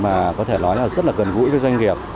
mà có thể nói là rất là gần gũi với doanh nghiệp